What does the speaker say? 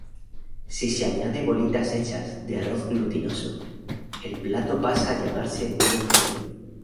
Si se añade bolitas hechas de arroz glutinoso, el plato pasa a llamarse "bilo-bilo".